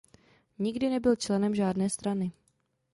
Nikdy nebyl členem žádné strany.